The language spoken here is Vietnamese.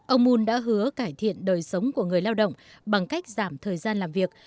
ông moon đã hứa cải thiện đời sống của người lao động bằng cách giảm thời gian làm việc